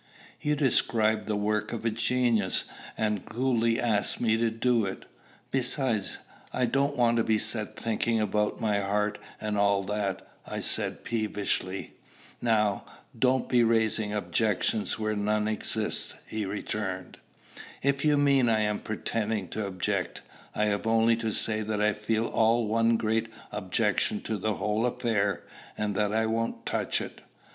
"You describe the work of a genius, and coolly ask me to do it. Besides, I don't want to be set thinking about my heart, and all that," I said peevishly. "Now, don't be raising objections where none exist," he returned. "If you mean I am pretending to object, I have only to say that I feel all one great objection to the whole affair, and that I won't touch it."